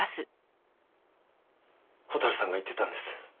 蛍さんが言ってたんです。